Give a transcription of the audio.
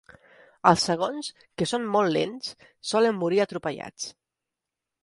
Els segons, que són molt lents, solen morir atropellats.